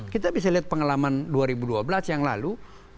kita bisa lihat pengalaman dua ribu dua belas yang lalu